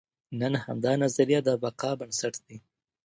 نن همدا نظریه د بقا بنسټ دی.